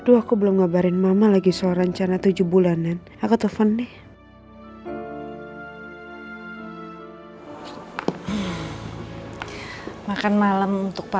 aduh aku belum ngabarin mama lagi soal rencana tujuh bulan an